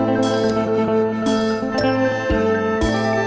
หลังกับตัญญาติและสาธิตไหนที่แหล่ง